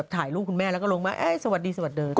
ถ่ายรูปคุณแม่แล้วก็ลงมาเอ๊ะสวัสดีสวัสดี